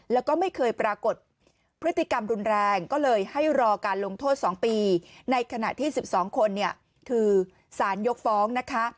แล้วก็ไม่เคยปรากฏพฤติกรรมรุนแรงก็เลยให้รอการลงโทษ๒ปีในขณะที่๑๒คนเนี่ยคือสารยกฟ้องนะคะ